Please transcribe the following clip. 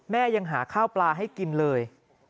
ยังหาข้าวปลาให้กินเลย